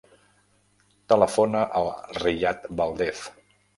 Telefona al Riyad Valdez.